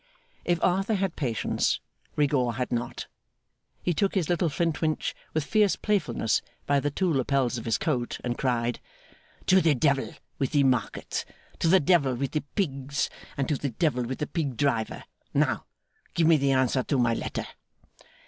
If Arthur had patience, Rigaud had not. He took his little Flintwinch, with fierce playfulness, by the two lapels of his coat, and cried: 'To the Devil with the Market, to the Devil with the Pigs, and to the Devil with the Pig Driver! Now! Give me the answer to my letter.